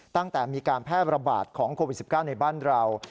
ตั้งแต่มีการแพร่ระบาดของโควิด๑๙ในบ้านเรา